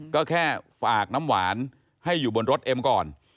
ก็แค่ฝากน้ำหวานให้อยู่บนรถเอ็มก่อน